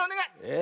え？